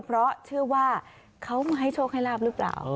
เพราะเชื่อว่าเขามาให้โชคให้ลาบหรือเปล่า